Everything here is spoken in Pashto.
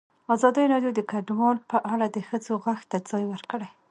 ازادي راډیو د کډوال په اړه د ښځو غږ ته ځای ورکړی.